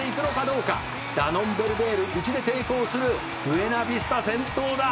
「ダノンベルベール内で抵抗するブエナビスタ先頭だ！」